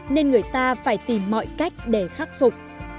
nên người ta phải tìm mọi cách để giữ được cái đó